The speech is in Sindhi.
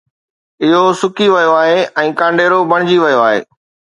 اُهو سُڪي ويو آهي ۽ ڪانڊيرو بڻجي ويو آهي